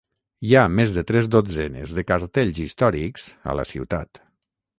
Hi ha més de tres dotzenes de cartells històrics a la ciutat.